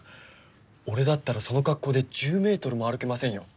俺だったらその格好で１０ｍも歩けませんよ。